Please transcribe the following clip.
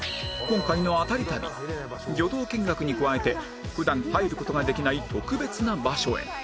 今回のアタリ旅魚道見学に加えて普段入る事ができない特別な場所へ